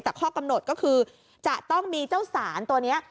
แต่ข้อกำหนดก็คือจะต้องมีเจ้าสารตัวนี้